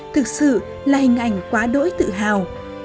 thực sự là hình ảnh quá đỗi tự hào